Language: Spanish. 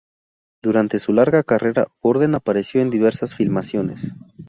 Durante su larga carrera, Borden apareció en diversas filmaciones.